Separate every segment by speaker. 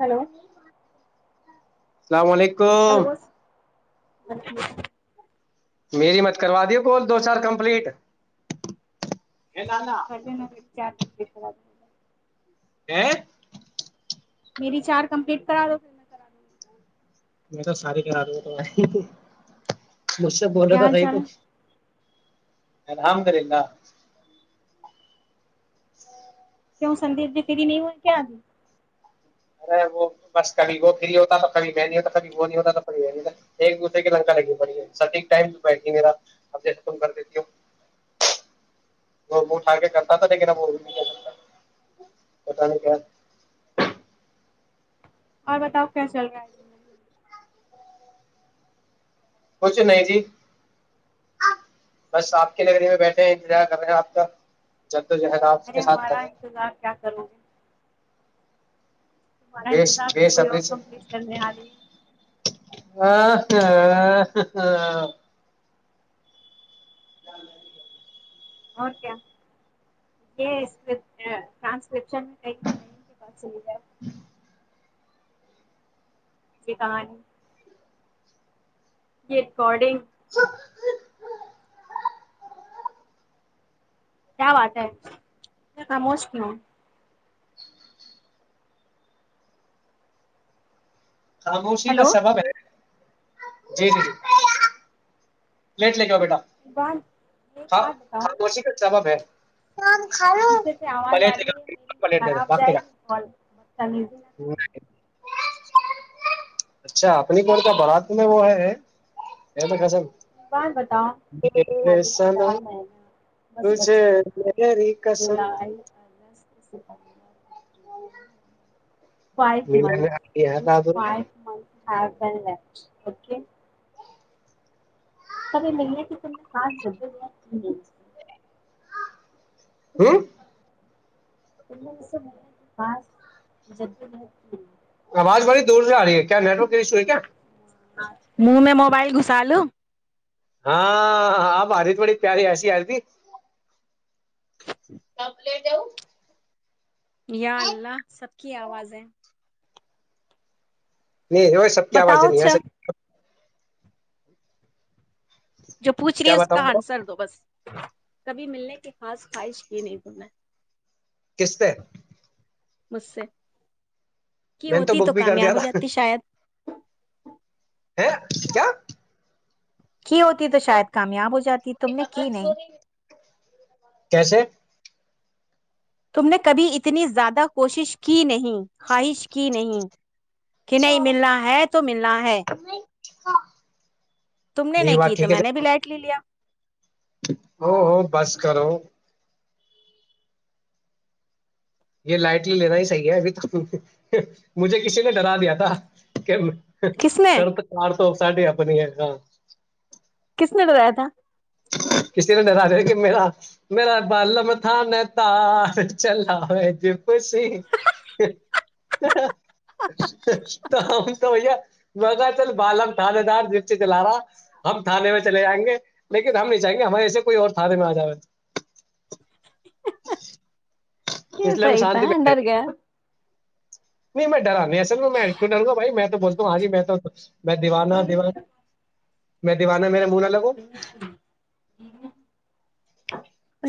Speaker 1: hello
Speaker 2: السلام علیکم ک
Speaker 1: اچھا
Speaker 2: میری مت کروا دیے کوول دو چار کمپلیٹ لانا
Speaker 1: [inaudible]
Speaker 2: ا [inaudible]
Speaker 1: میری چار کمپلیٹ کرا دو پھر میں کرا دووں
Speaker 2: میں تو ساری کرا رہی ہ تو مجھ سے بول رہے تھا صحی تو الام کرے گا ہ
Speaker 1: کی ہوں سدیپ ج تری نہیں ہوئی کیا آگھی
Speaker 2: ارے وہ بس کبھی وہ فری ہوتا کبھی میں نہیں ہوتا کبھی وہ نہیں ہوتاڑ ایک دوسرے کے لنکا لگی پڑی سٹھیک ٹائم تو بیٹھی میرا ابم کر دیتی ہوں وہ اٹھا کے کرتا تھا لیکن اب وہ نہیں سکتا کیا
Speaker 1: اور بتاؤ کیا چل رہا ہے زی
Speaker 2: کچھ نہیں جی بس آپ کے لائبریری میں بیٹھے ہیں انتظار کر رہے ہیں آپ کا جب
Speaker 1: ارے ہمارا انتظار کیا کروں گی تمہارا
Speaker 2: بے
Speaker 1: انتظار سے
Speaker 2: بے
Speaker 1: کوئی اور
Speaker 2: صبری سے
Speaker 1: کمپلیٹ کرنے آ رہی ہے
Speaker 2: [unintelligible] ج [inaudible]
Speaker 1: اور کیا یہ شرمٹ اگلی نم کے پاس چلی جائے [unintelligible] یہ ریکارڈنگ [inaudible] کیا وٹ ہے کا موج کیوں
Speaker 2: خاموشی کا سبب ہے جی جی جی پلیٹ لے کے بیٹھے ہاں ہاں تووش کا سباب ہے
Speaker 1: پوچھے تھ آواز آ
Speaker 2: پلیٹ لے
Speaker 1: رہی ہے
Speaker 2: کے
Speaker 1: میری
Speaker 2: پلیٹ دے دے
Speaker 1: خراب
Speaker 2: بھاگ کے
Speaker 1: جائے
Speaker 2: جا
Speaker 1: گیز ن
Speaker 2: اچھا اپنی کون کیا بارات میں وہ ہے یہ تو قسم سنم تیری قسم
Speaker 1: [inaudible] فائو
Speaker 2: ملن
Speaker 1: منتھس ہاف ایند لیفٹ ہ جب کی نہیں
Speaker 2: ہ [unintelligible]
Speaker 1: ج [unintelligible]
Speaker 2: آواز بڑی دور سے آ رہی ہے کیا نٹ کو ہے کیا
Speaker 1: منہ میں موبائل گسالو
Speaker 2: ہاں آب آرہی تھوڑی بڑی پیاری سی
Speaker 1: یا اللہ سب کی آواز ہے
Speaker 2: نہیں ہو سب کیا آواج ہے نہیں سے
Speaker 1: جو پوچھ رہی
Speaker 2: کیا
Speaker 1: ہے اس
Speaker 2: بتاؤں
Speaker 1: کا
Speaker 2: ب
Speaker 1: آنسر دو بس کبھی ملنے کے خاص خوائش کی نہیں تو میں
Speaker 2: قسطے
Speaker 1: مجھسے
Speaker 2: میں نے تو بک بھی کر دیا تھا ہے کیا
Speaker 1: کی ہوتی تو شاید کامیاب ہو جاتی تم نے کی نہیں
Speaker 2: کیسے
Speaker 1: تم نے کبھی اتنی زیادہ کوشش کی نہیں خواہش کی نہیں کہ نہیں ملنا ہے تو ملنا ہے تم نے نہیں کی تو میں نے بھی لائٹ لے لیا
Speaker 2: ہو ہو بس کرو یہ لائٹلی لینا ہی صحیح ہے ابھی تک مجھے کسی نے ڈرا دیا تھا کہ
Speaker 1: کس نے
Speaker 2: سڑ تو کار تو ساے اپنی ہے ہاں
Speaker 1: کس نے رہایا تھا
Speaker 2: کسی نے ڈرا د ہو کہ میرا میرا بال متان تار چلا ہو جی [inaudible] تو ہم تو بیا ب چل بالم تھاانے دار ج سے چلا رہا ہم تھانے میں چلے جائیں گے لیکن ہم نہیں چاہیں گے ہمارے ایسے کوئی اور تھادے میں آ جا رہا
Speaker 1: یہسئیتا ہڈار کا
Speaker 2: نہیں میں ڈرا نہیں اصل میں کیوں ڈروں گ بھائی میں تو بولتا ہوں ہاں جی میں تو میں دیوانا دیانا میں دیوانہ میرا ملا لگو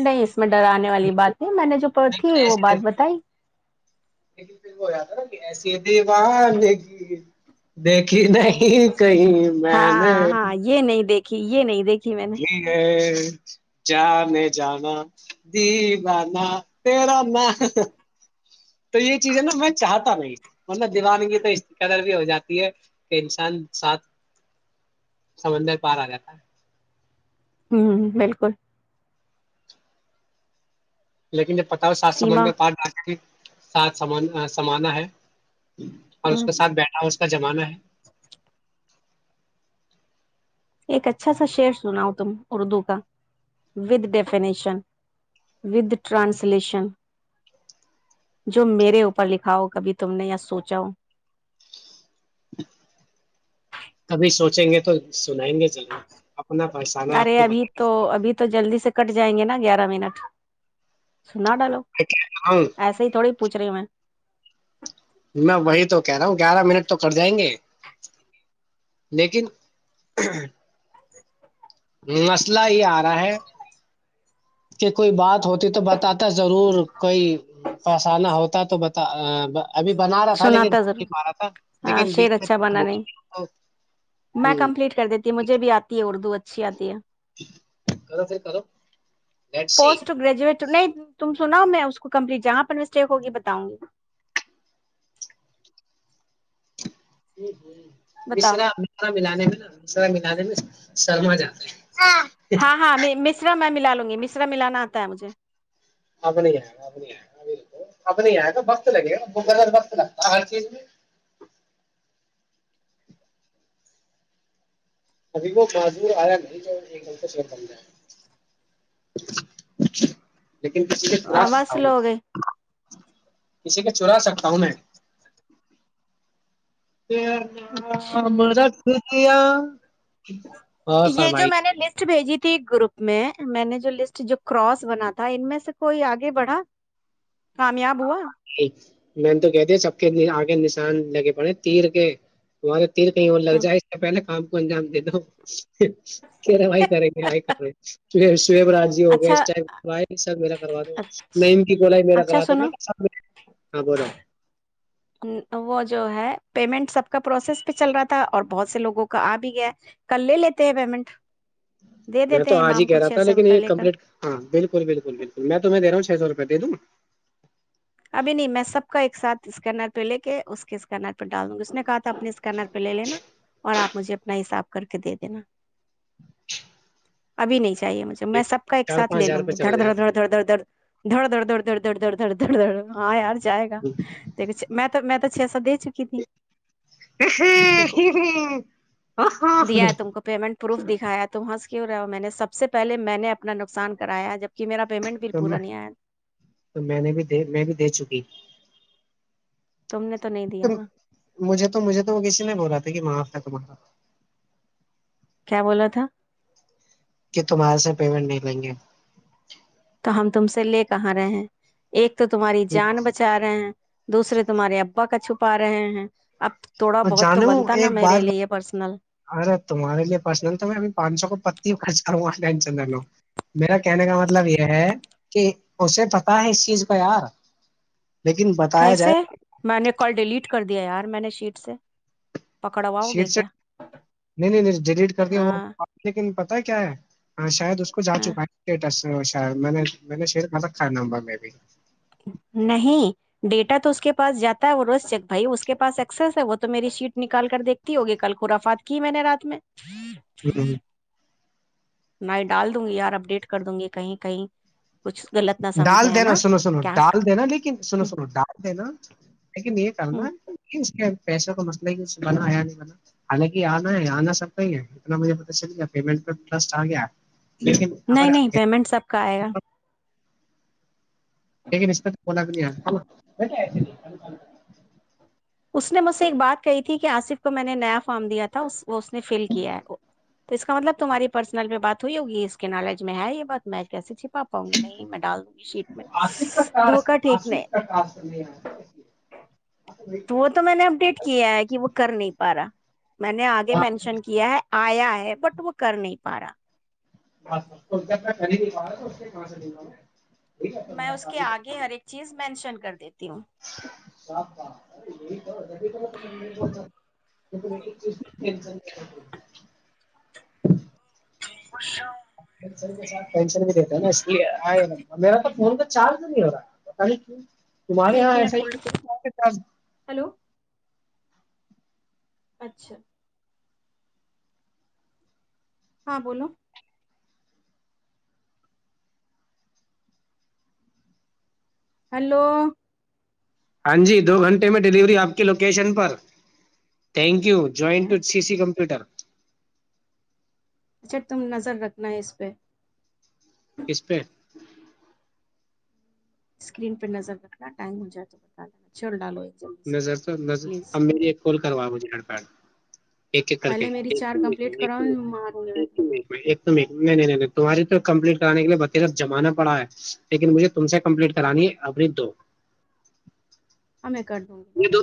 Speaker 1: نہیںس اس میں ڈراننے والی بات ہے میں نے جو پڑ تھی
Speaker 2: لیکن
Speaker 1: وہ
Speaker 2: ایسے
Speaker 1: بات بتائی
Speaker 2: لیکن پھر وہ ج تھا نا ایسی دیوان دیکھیھی نہیں کہ کہیں میں نے
Speaker 1: کہ یہ نہیں دیک
Speaker 2: ٹھیک ہے میں جانا دی با تیرا میں تو یہ چیز ہے نا میں چاہتا نہیں ورن دیوانگی تو اس قدر بھی ہو جاتی ہے کہ انسان ساتھ سمندر پار آ جاتا ہے
Speaker 1: ہوں بالکل
Speaker 2: لیکن جب پتاؤ سات سبند
Speaker 1: سیما
Speaker 2: میں ساتھ سمان سمانا ہے اور
Speaker 1: ہ
Speaker 2: اس کے ساتھ بیٹھا اس کا زمانہ ہے
Speaker 1: ایک اچھا سا شر سناؤ تم اردو کا وت ڈیفینیشن ودھ ٹرانسلیشن جو میرے اوپر لکھا ہو کبھی تم نے یا سوچا ہو
Speaker 2: کبھی سوچیں گے تو سنائیں گے چلیں اپنا پہچانہ آپ
Speaker 1: ارے
Speaker 2: کو بت
Speaker 1: ابھی تو ابھی تو جلدی سے کٹ جائیں گے نا گیارہ منٹ سنا ڈالو
Speaker 2: بتا
Speaker 1: ایسے ہی تھوڑی پوچھ رہی ہوں میں
Speaker 2: میں وہی تو کہہ رہا ہوں گیارہ منٹ تو کر جائیں گے لیکن مسئلہ ہی آار [inaudible] کہ کوئی بات ہو [unintelligible] تو بتاتا ضرور کوئی پسانا ہوتا تو بتا [unintelligible] [unintelligible] رہا تھا لیکن
Speaker 1: سناتا
Speaker 2: بن
Speaker 1: ضرور
Speaker 2: نہیں پا رہا تھا
Speaker 1: ہاں
Speaker 2: لیکن
Speaker 1: شیر
Speaker 2: بیچ میں
Speaker 1: اچھا
Speaker 2: تھوڑا
Speaker 1: بنانے
Speaker 2: ہ
Speaker 1: میں کمپلیٹ کر دیتی مجھے بھی آتی ہے اردو اچ اچھی آتی ہے [unintelligible]
Speaker 2: کرو پھر کرو بیٹسی [unintelligible]
Speaker 1: پوسٹ گریجویٹ نہیں تم سناؤ میں اس کو کمپلیٹ جہاں پر مسٹیک ہوگی بتاؤں گی [unintelligible]
Speaker 2: جی [unintelligible]
Speaker 1: بتاؤ
Speaker 2: مشرا مشرا ملانے میں نا مشرا ملانے میں [unintelligible] شرما جا [unintelligible]
Speaker 1: ہاں ہاں مشرا میں [unintelligible] ل لوں گی مشرا ملانا آتا ہے مجھے [unintelligible]
Speaker 2: اب نہیں آئے گا اب نہیں آئے گا بک اب نہیں آ گا وقت لگے گا بر وقت لگتا ہر چیز میں ابھی وہ معذور آیا نہیں جو ایک گل کو شیر کرنے لیکن کسی پ تھوراس
Speaker 1: آواز
Speaker 2: تھاؤ
Speaker 1: سلو ہو گئی
Speaker 2: کسی کے چرا سکتے کؤ نہیں پ
Speaker 1: اچھا
Speaker 2: مراٹیا
Speaker 1: یہ جو میں نے لسٹ بھیجی تھی ایک گروپ میں میں نے جو لسٹ جو کراس بنا تھا ان میں سے کوئی آگے بڑھا کامیاب ہوا
Speaker 2: میں تو کہتی سب کے آ نشان لگے پڑے تیر کے تمہارے دل کہیں اور لگ جائے اس سے پہلے کام پنجام د تو کہ را بائی کرے کہ وائی کرے کری باجی ہو گیا
Speaker 1: اچھا
Speaker 2: اس سر میرا کروا دو نم کی کوو میرا
Speaker 1: اچھا
Speaker 2: کرا
Speaker 1: سنو
Speaker 2: ہاں ب رہ
Speaker 1: وہ جو ہے پیمنٹ سب کا پروسیس پہ چل رہا تھا اور بہت سے لوگوں کا آ بھی گیا ہے کل لے لیتے ہیں پیمنٹ دے
Speaker 2: میں
Speaker 1: دیتے
Speaker 2: تو
Speaker 1: ہیں
Speaker 2: آج ہی
Speaker 1: امام
Speaker 2: کہہ
Speaker 1: کو
Speaker 2: رہا
Speaker 1: چھ
Speaker 2: تھا
Speaker 1: سو
Speaker 2: لیکن
Speaker 1: روپے
Speaker 2: یہ
Speaker 1: لے کر
Speaker 2: کمپلیٹ ہاں بالکل بالکل بالکل میں تمہیں دے رہا ہوں چھ سو روپے دوں [inaudible]
Speaker 1: ابھی نہیں میں سب کا ایک سھ اسک نٹ پہ لے کے اس کے اس کا ن ڈال دوں گی اس نے کہا تھا اپنے اسکینر پہ لے لینا اور آپ مجھے اپنا حساب کر کے دے دینا ابھی نہیں چاہیے مجھے تو میں سب کا ایک
Speaker 2: چار پانچ
Speaker 1: ساتھے
Speaker 2: ہزار
Speaker 1: لوں
Speaker 2: روپئے
Speaker 1: گی دڑ
Speaker 2: چلا جائے
Speaker 1: دڑ
Speaker 2: گا
Speaker 1: دھڑ دھڑ دھڑ دھر دڑ دڑ دڑ دڑ د د دڑ ڑ آاں ار جائے گا کچھ میں تو میں تو اچھے ایسا دے چکی تھی دیکھو
Speaker 2: ہ آ
Speaker 1: دیا ہے تم کو
Speaker 2: ہ
Speaker 1: پیمنٹ پروف دکھایا تو وہاں سے کی ہو رہا ہو میں نے سب سے پہلے میں نے اپنا نقصان کرایا جب
Speaker 2: تو میں تو میں نے بھی د میں بھی دے چکی
Speaker 1: تم نے تو نہیں دیا نا
Speaker 2: مجھے تو مجھے تو وہ کسی نے بولا تھا کہ وہاں تو بنا
Speaker 1: کیا بولا تھا
Speaker 2: کہ تمہارے سے پیمنٹ نہیں لیں گے
Speaker 1: تو ہم تم سے لے کہاں رہے ہیں ایک تو تمہاری جان بچا رہے ہیں دوسرے تمہارے ابا کا چھپا رہے ہیں اب تھوڑا
Speaker 2: اور
Speaker 1: بہت تو
Speaker 2: جان
Speaker 1: بنتا نا
Speaker 2: ایک
Speaker 1: میرے
Speaker 2: بار
Speaker 1: لیے پرسنل
Speaker 2: ارے تمہارے لیے پرسنل تو میںب پانچ سو کو پتی بچا چندر میرا کہنے کا مطلب یہ ہے کہ اسے پتا ہے اس چیز کا یار لیکن بتایا
Speaker 1: کیسے
Speaker 2: جائے
Speaker 1: میں نے کال ڈیلیٹ کر دیا یار میں نے شیٹ سے پکڑواؤ گے
Speaker 2: شیٹ سے
Speaker 1: کیا
Speaker 2: نہیں نہیں نہیں ڈیلیٹ کر دیا وہ
Speaker 1: ہاں
Speaker 2: لیکن پ پتا کیا ہے اید اس کو جا
Speaker 1: ہاں
Speaker 2: چکا ہے اسٹیٹس سے میں نے میں نے شر ملب کھانا ہوبا میں بھی
Speaker 1: نہیں ڈیٹا تو اس کے پاس جاتا ہے وہ روز بھائی اس کے پاس اسس ہے وہ تو میری شیٹ نکال کر دیکھتی ہوگی کل خورافات کی میں نے رات میں
Speaker 2: ہوں
Speaker 1: میں ڈال دوں گی یار اپ ڈیٹ کر دوں گی کہیں کہیں کچھ غلط نہ
Speaker 2: ڈال
Speaker 1: سمجھے ہے
Speaker 2: دینا
Speaker 1: نا
Speaker 2: سنو سنو
Speaker 1: کیا
Speaker 2: ڈال دینا لیکن سنو سنو ڈال دینا لیکن یہ کرنا پیسے کا مسئلہ ہی اس بنا یا نہیں بنا حالانکہ آنا ہے آنا سب کا ہی ہے اتنا مجھے پتا چل گیا پیمنٹ پ ٹرسٹ آ گیا لیکن اگر
Speaker 1: کایا
Speaker 2: لیکن اس پ تو بلا نہیں
Speaker 1: اس نے مجھ سے ایک بات کہی تھی کہ آصف کو میں نے نیا فارم دیا تھا اس وہ اس نے فل کیا ہے تو اس کا مطلب تمہاری پرسنل میں بات ہوئی ہوگی اس کے نالج میں ہے یہ بات میں کیے چھپ پا پاؤں گی نہیں میں ڈال دوں گی شیٹ میں
Speaker 2: آصف کا ٹاسک
Speaker 1: دھوکا ٹھیک نہیں
Speaker 2: آصف کا ٹاسک نہیں آیا
Speaker 1: تو وہ تو میں نے اپڈیٹ کیا ہے کہ وہ کر نہیں پا رہا میں نے آگے مینشن کیا ہے آیا ہے بٹ وہ کر نہیں پارا
Speaker 2: بس بس تو اننا کر ہی نہیں پا رہا تو اس کے کہاں سے دوں گا میں ٹھیک ہے تو
Speaker 1: میں اس کے آگے ہر ایک چیز مینشن کر د
Speaker 2: سپ ظغ کککززرظںںنن
Speaker 1: ج خش
Speaker 2: ٹینشن بھی دیتے نا اس لیےئے میرا تو فون تو چارج نہیں ہو رہا ہے پتا نہیں کیوں تمہارے یہاں ایسا ہی
Speaker 1: اچھا ہاں بولو ہلو
Speaker 2: ہاں جی دو گھنٹے میں ڈلیوری آپ کی لوکیشن پر تھینک یو یوائنٹ
Speaker 1: کیا
Speaker 2: سی سی کمپیوٹر
Speaker 1: اچھا تم نظر رکھنا ہے اس پہ
Speaker 2: کس پہ
Speaker 1: اسکرین پہ نظر رکھنا ٹائم ہو جائے تو بتا دینا چل ڈالو جلدی سے
Speaker 2: نظر تو ن
Speaker 1: پلیز
Speaker 2: ہمری ایک کال کروا مجھے ہڈ پ ایک ایک کرتے
Speaker 1: پہلے میری
Speaker 2: یں
Speaker 1: چار کمپلیٹ کراؤ ماروں گی میں تمہیں
Speaker 2: نہیں نہیں نہیں تمہاری تو کمپلیٹ کرانے کے لیے بتییرف جمانا پڑا ہے لیکن مجھے تم سے کمپلیٹ کرانی ہے ابنی دو
Speaker 1: ہم میں کر دوں گی نا
Speaker 2: یہ دو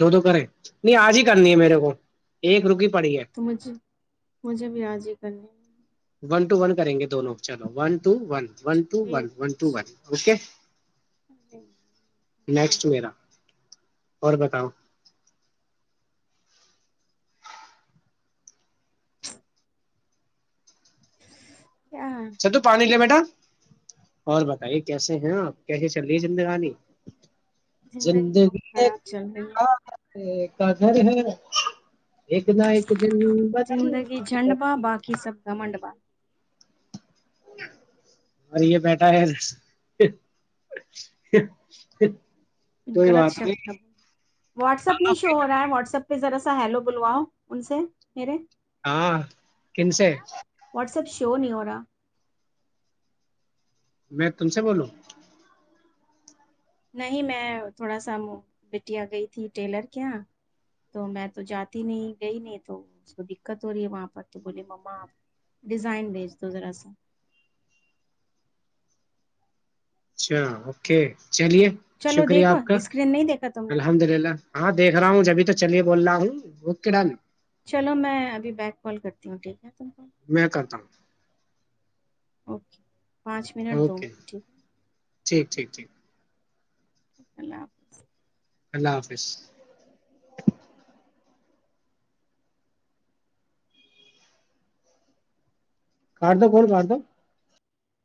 Speaker 2: دو دو کریں نہیں آج ہی کرنی ہے میرے کو ایک رکی پڑی ہے
Speaker 1: تو مجھے مجھے بھی راض ہی کرنی ہے
Speaker 2: ون ٹو ون کریں گے دونوں چلو one two two one one two one one two one okay next میرا اور بتاؤ اچھا تو پانی لے بیٹا اور بتے کیسے ہیں آپ کیسے چل رہی ہے زندگانی زندگی یہ کاجر ہے [unintelligible] نہ ایک دن بدل
Speaker 1: زندگی جھنڈپا باقی سب کمنڈپان [unintelligible]
Speaker 2: اور یہ بیٹا ہے [unintelligible]
Speaker 1: کچھ
Speaker 2: کوئی
Speaker 1: غط
Speaker 2: بات
Speaker 1: شبص
Speaker 2: نہیں
Speaker 1: واٹس ایپ نہیں شو ہو رہا ہے واٹسپ پہ ذرا ہیلو بلواؤ ان سے میرے
Speaker 2: ہاں کن سے
Speaker 1: کیوں نہیں ہو رہا
Speaker 2: میں تم سے بولوں
Speaker 1: نہیں میں تھوڑا سا بٹیا گئی تھی ٹیلر کے یہاں تو میں تو جاتی نہیں گئی نہیں تو اس کو دقت ہو رہی ہے وہاں پر تو بولے مما آپ ڈیزائن بھیج دو ذرا سا
Speaker 2: اچھا چلیے
Speaker 1: تو چلو
Speaker 2: شکریہ
Speaker 1: دیکھو
Speaker 2: آپ کا
Speaker 1: اسکرین نہیں دیکھا تم نے
Speaker 2: الحمد للہ ہاں دیکھ رہا ہوں جبھی تک چلیے بول رہا ہوں وہک ڈال [unintelligible]
Speaker 1: چلو میں ابھی بیک کال کرتی ہوں ٹھیک ہے تم کو
Speaker 2: میں کرتا
Speaker 1: اوکے [unintelligible] پانچ منٹ
Speaker 2: ہوں
Speaker 1: دو م ٹھیک ہے [unintelligible]
Speaker 2: جی [inaudible]
Speaker 1: اللہ حافظ
Speaker 2: اللہ حافظ کٹ دو کون کا دو [inaudible]